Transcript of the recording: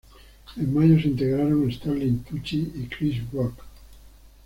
En mayo se integraron Stanley Tucci y Chris Rock.